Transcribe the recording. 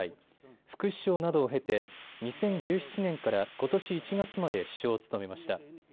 副首相などを経て２０１７年からことし１月まで首相を務めました。